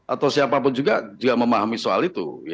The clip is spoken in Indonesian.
atau siapapun juga memahami soal itu